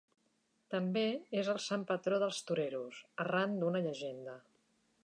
També és el sant patró dels toreros, arran d'una llegenda.